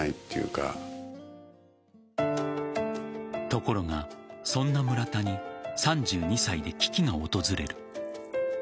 ところが、そんな村田に３２歳で危機が訪れる。